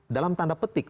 dalam tanda petik